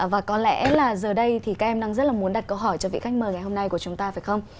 và có lẽ là giờ đây thì các em đang rất là muốn đặt câu hỏi cho vị khách mời ngày hôm nay của chúng ta phải không